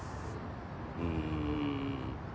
うん。